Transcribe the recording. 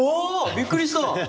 びっくりした！